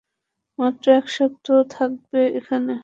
মাত্র এক সপ্তাহ থাকবে এখানে।